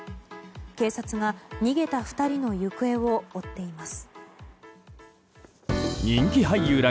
警察が逃げた２人の行方を追っています。